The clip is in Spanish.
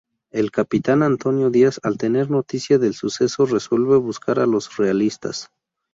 El Capitán Antonio Diaz al tener noticia del suceso resuelve buscar a los realistas.